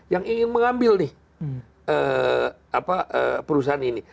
yang ingin mengambil nih perusahaan ini